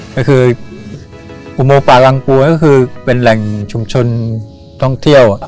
ก็คืออุโมงป่ารังปัวก็คือเป็นแหล่งชุมชนท่องเที่ยว